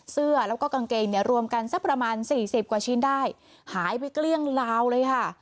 เสื้อแล้วก็กางเกงเนี่ยรวมกันสักประมาณสี่สิบกว่าชิ้นได้หายไปเกลี้ยงลาวเลยค่ะ